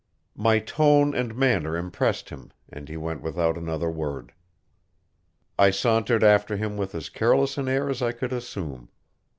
My tone and manner impressed him, and he went without another word. I sauntered after him with as careless an air as I could assume.